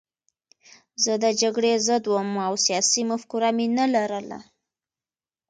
زه د جګړې ضد وم او سیاسي مفکوره مې نه لرله